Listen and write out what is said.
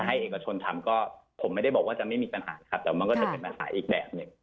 เอกชนทำก็ผมไม่ได้บอกว่าจะไม่มีปัญหาครับแต่มันก็จะเป็นปัญหาอีกแบบหนึ่ง